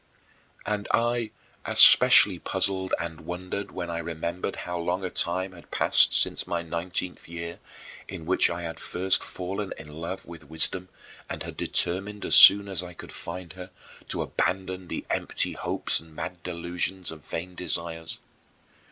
And I especially puzzled and wondered when I remembered how long a time had passed since my nineteenth year, in which I had first fallen in love with wisdom and had determined as soon as I could find her to abandon the empty hopes and mad delusions of vain desires.